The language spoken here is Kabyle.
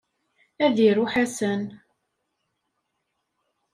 Ad iru Ḥasan.